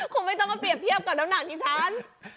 คงไม่ต้องมาเปรียบเทียบกับน้ำหนักที่ฉัน